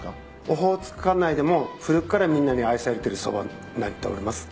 オホーツク管内でも古くからみんなに愛されてるそばになっております。